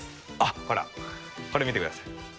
ほらこれ見てください。